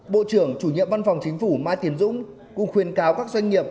bộ trưởng chủ nhiệm văn phòng chính phủ mai tiến dũng cùng khuyên cáo các doanh nghiệp